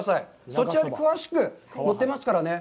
そちらに詳しく載ってますからね。